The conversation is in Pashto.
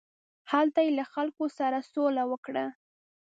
هلته یې له خلکو سره سوله وکړه.